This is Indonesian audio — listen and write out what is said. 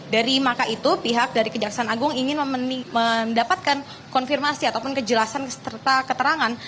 dari maka itu pihak dari kejaksaan agung ingin mendapatkan konfirmasi ataupun kejelasan serta keterangan